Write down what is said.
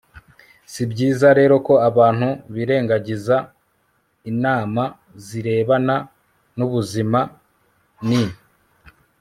si byiza rero ko abantu birengagiza inama zirebana n'ubuzima. ni